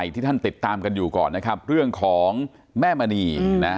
ที่ท่านติดตามกันอยู่ก่อนนะครับเรื่องของแม่มณีนะ